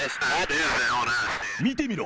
見てみろ！